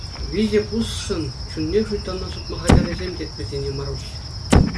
Виҫӗ пусшӑн чунне шуйттана сутма хатӗррисем тет вӗсене Маруҫ.